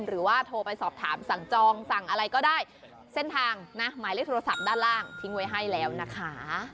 หรือว่าโทรไปสอบถามสั่งจองสั่งอะไรก็ได้เส้นทางนะหมายเลขโทรศัพท์ด้านล่างทิ้งไว้ให้แล้วนะคะ